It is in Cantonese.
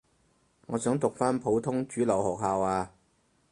我想讀返普通主流學校呀